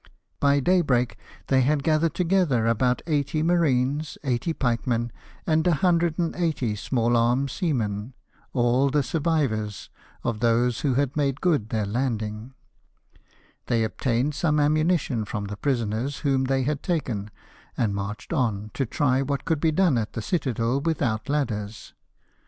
By daybreak they had gathered together about 80 marines, 80 pikemen, and 180 small arm seamen — all the survivors of those who had made good their landing. They obtained some ammunition from the prisoners whom they had taken ; and marched on to try what could be done at the citadel without ladders.